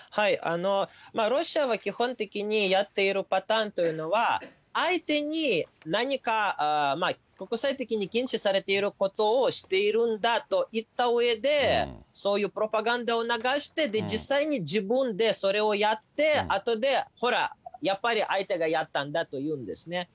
ロシアは基本的にやっているパターンというのは、相手に何か国際的に禁止されていることをしているんだと言ったうえで、そういうプロパガンダを流して、実際に自分でそれをやって、あとで、ほら、やっぱり相手がやったんだと言うんですね。